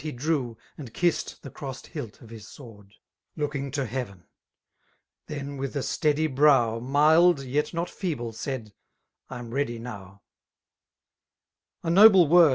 He drew> and kissed the crossed hilt of his sword,' Looking to heaven ^— then with a steady brow, MUdf yet not feeble/ said, Vm r^y now*" '^ A noble word